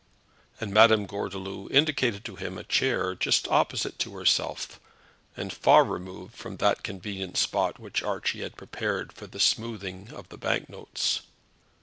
And Madame Gordeloup indicated to him a chair just opposite to herself, and far removed from that convenient spot which Archie had prepared for the smoothing of the bank notes.